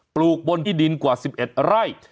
ลูกบนที่ดินกว่า๑๑ไร่